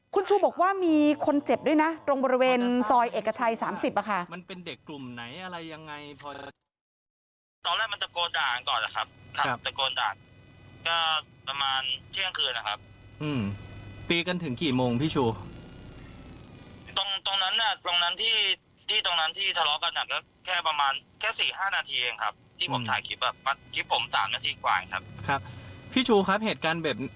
คุณชูบอกว่ามีคนเจ็บด้วยนะตรงบริเวณซอยเอกชัย๓๐นะคะ